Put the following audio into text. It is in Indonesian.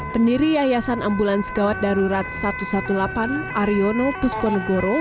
pendiri yayasan ambulans gawat darurat satu ratus delapan belas ariono pusponegoro